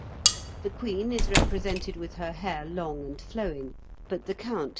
The Queen is represented with her hair long and flowing, but the count has his cut short.